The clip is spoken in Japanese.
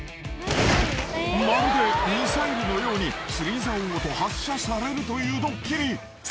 ［まるでミサイルのように釣りざおごと発射されるというドッキリ］